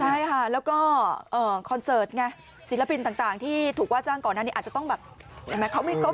ใช่ค่ะแล้วก็คอนเสิร์ตไงศิลปินต่างที่ถูกว่าจ้างก่อนอันนี้อาจจะต้องแบบ